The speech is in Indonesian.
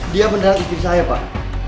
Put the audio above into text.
dia mendarat istri saya pak